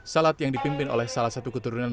salat yang dipimpin oleh salah satu keturunan